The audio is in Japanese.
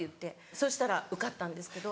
そしたら受かったんですけど。